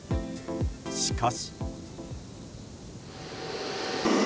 しかし。